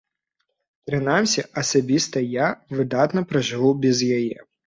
Прынамсі, асабіста я выдатна пражыву без яе.